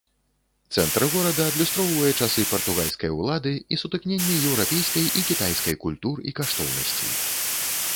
Цэнтр горада адлюстроўвае часы партугальскай улады і сутыкненне еўрапейскай і кітайскай культур і каштоўнасцей.